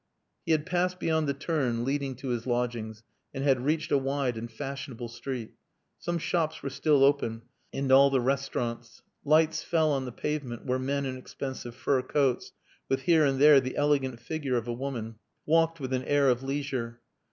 He had passed beyond the turn leading to his lodgings, and had reached a wide and fashionable street. Some shops were still open, and all the restaurants. Lights fell on the pavement where men in expensive fur coats, with here and there the elegant figure of a woman, walked with an air of leisure.